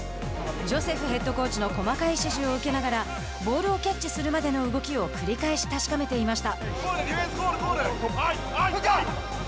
ジョセフヘッドコーチの細かい指示を受けながらボールをキャッチするまでの動きを繰り返し確かめていました。